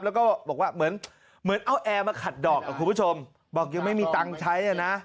แล้วก็บอกว่าเหมือนเหมือนเอาแอร์มาขัดดอกคุณผู้ชมบอกยังไม่มีตังค์ใช้อ่ะนะ